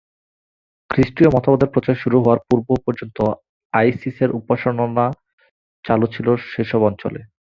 খ্রিস্টিয় মতবাদের প্রচার শুরু হওয়ার পূর্ব পর্যন্ত আইসিসের উপাসনা চালু ছিল সে সব অঞ্চলে।